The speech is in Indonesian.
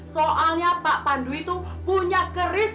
soalnya pak pandu itu punya keris